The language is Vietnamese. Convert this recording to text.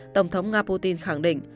tổng thống nga putin khẳng định